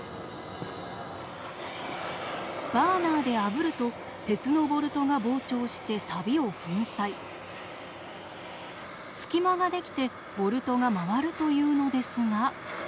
バーナーであぶると鉄のボルトが膨張してサビを粉砕隙間ができてボルトが回るというのですが。